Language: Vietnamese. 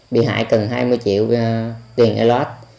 bị hại cần hai mươi triệu tiền elos